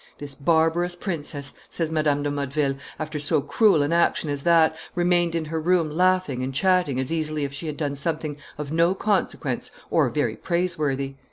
"This barbarous princess," says Madame de Motteville, "after so cruel an action as that, remained in her room laughing and chatting as easily as if she had done something of no consequence or very praiseworthy.